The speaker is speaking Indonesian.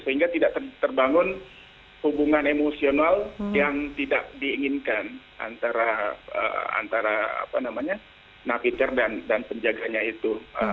sehingga tidak terbangun hubungan emosional yang tidak diinginkan antara napiter dan penjaganya itu